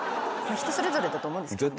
人それぞれだと思うんですけど。